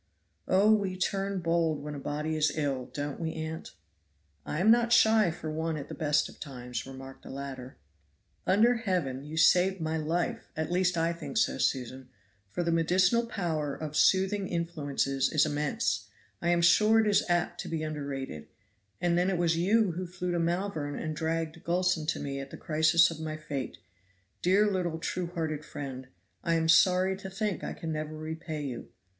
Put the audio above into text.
"Oh! we turn bold when a body is ill, don't we, aunt?" "I am not shy for one at the best of times," remarked the latter. "Under Heaven you saved my life, at least I think so, Susan, for the medicinal power of soothing influences is immense, I am sure it is apt to be underrated; and then it was you who flew to Malvern and dragged Gulson to me at the crisis of my fate; dear little true hearted friend, I am sorry to think I can never repay you."